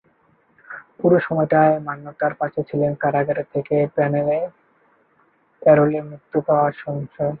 পুরো সময়টায় মান্যতার পাশে ছিলেন কারাগার থেকে প্যারোলে মুক্তি পাওয়া সঞ্জয়।